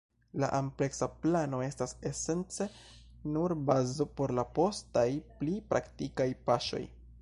La ampleksa plano estas esence nur bazo por la postaj, pli praktikaj paŝoj.